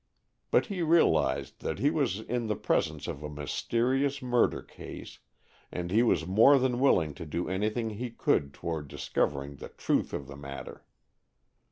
But he realized that he was in the presence of a mysterious murder case, and he was more than willing to do anything he could toward discovering the truth of the matter.